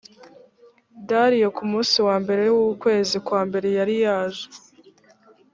dariyo ku munsi wa mbere w’ukwezi kwa mbere yari yaje